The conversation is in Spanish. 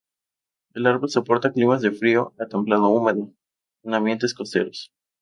El árbol soporta climas de frío a templado húmedo, en ambientes costeros.